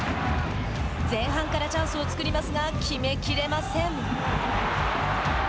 前半からチャンスを作りますが決め切れません。